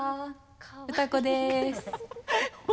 歌子です。